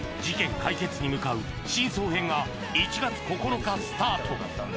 事件解決に向かう真相編が１月９日スタート